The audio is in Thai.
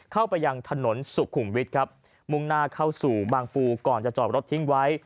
เข้าไปยังถนนสุขุมวิทย์ครับมุ่งหน้าเข้าสู่บางปูก่อนจะจอดรถทิ้งไว้